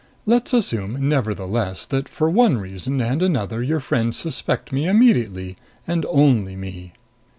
"Let's assume, nevertheless, that for one reason and another your friends suspect me immediately, and only me.